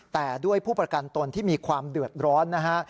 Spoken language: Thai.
แต่ด้วยผู้ประกันตนที่มีความเดือดร้อนนะฮะ